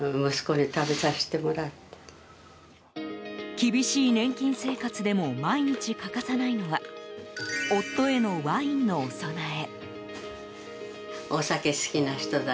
厳しい年金生活でも毎日欠かさないのは夫へのワインのお供え。